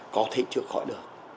có thể chữa khỏi được